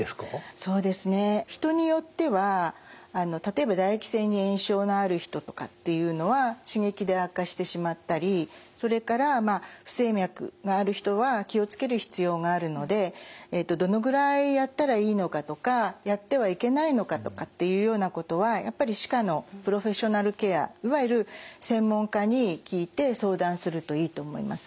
そうですね人によっては例えば唾液腺に炎症のある人とかっていうのは刺激で悪化してしまったりそれから不整脈がある人は気を付ける必要があるのでどのぐらいやったらいいのかとかやってはいけないのかとかっていうようなことはやっぱり歯科のプロフェッショナルケアいわゆる専門家に聞いて相談するといいと思います。